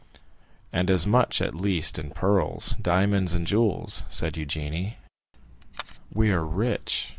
"And as much, at least, in pearls, diamonds, and jewels," said Eugénie. "We are rich.